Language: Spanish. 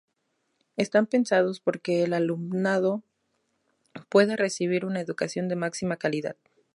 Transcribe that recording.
Están pensados porque el alumnado pueda recibir una educación de máxima calidad.